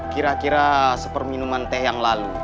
kira kira seperminuman teh yang lalu